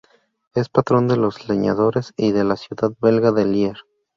Es patrón de los leñadores y de la ciudad belga de Lier.